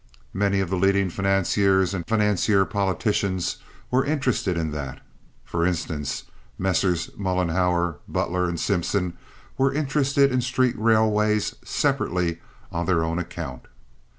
Many of the leading financiers and financier politicians were interested in that. For instance, Messrs. Mollenhauer, Butler, and Simpson were interested in street railways separately on their own account.